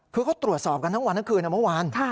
คือเขาตรวจสอบกันทั้งวันทั้งคืนเมื่อวาน